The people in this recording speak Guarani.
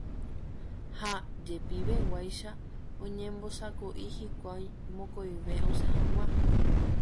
ha jepiveguáicha oñembosako'i hikuái mokõive osẽ hag̃ua